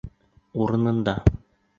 Урынында.